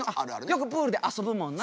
よくプールであそぶもんな。